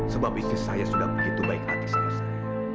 sebab istri saya sudah begitu baik hati selesai